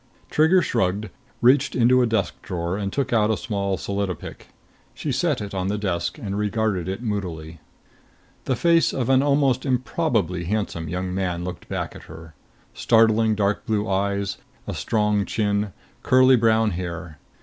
Trigger shrugged, reached into a desk drawer and took out a small solidopic. She set it on the desk and regarded it moodily. The face of an almost improbably handsome young man looked back at her. Startling dark blue eyes; a strong chin, curly brown hair.